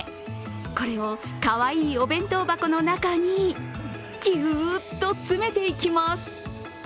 これをかわいいお弁当箱の中にギューッと詰めていきます。